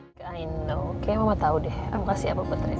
i know kayaknya mama tau deh kasih apa buat rana